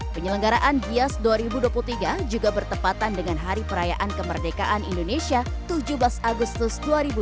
penyelenggaraan gias dua ribu dua puluh tiga juga bertepatan dengan hari perayaan kemerdekaan indonesia tujuh belas agustus dua ribu dua puluh